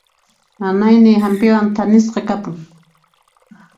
Nanayniy hampiwan thanisqa kapun.